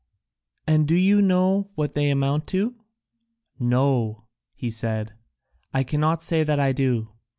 "And do you know what they amount to?" "No," he said, "I cannot say that I do."